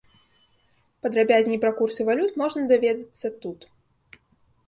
Падрабязней пра курсы валют можна даведацца тут.